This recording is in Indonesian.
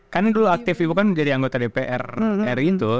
kan dulu aktif ibu kan menjadi anggota dpr ri itu